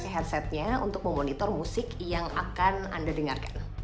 headsetnya untuk memonitor musik yang akan anda dengarkan